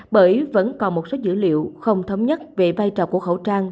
bởi vẫn còn một số dữ liệu không thống nhất về vai trò của khẩu trang